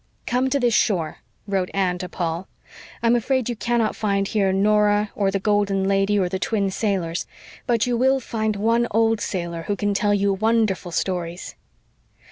"Come to this shore," wrote Anne to Paul. "I am afraid you cannot find here Nora or the Golden Lady or the Twin Sailors; but you will find one old sailor who can tell you wonderful stories."